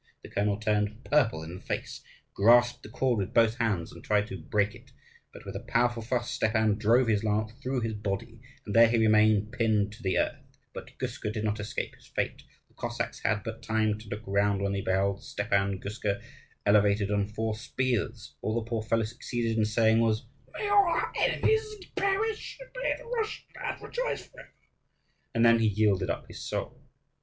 The colonel turned purple in the face, grasped the cord with both hands, and tried to break it; but with a powerful thrust Stepan drove his lance through his body, and there he remained pinned to the earth. But Guska did not escape his fate. The Cossacks had but time to look round when they beheld Stepan Guska elevated on four spears. All the poor fellow succeeded in saying was, "May all our enemies perish, and may the Russian land rejoice forever!" and then he yielded up his soul.